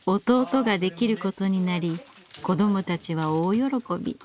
弟ができることになり子どもたちは大喜び。